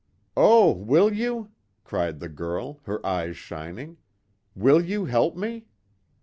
"Oh, will you?" cried the girl, her eyes shining, "Will you help me?